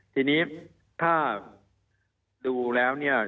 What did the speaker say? ทีนี้ถ้าดูแล้วเนี่ย